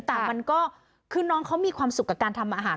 แต่มันก็คือน้องเขามีความสุขกับการทำอาหาร